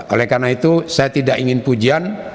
oleh karena itu saya tidak ingin pujian